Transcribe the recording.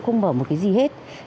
không mở một cái gì hết